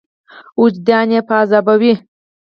وجدان یې په عذابوي.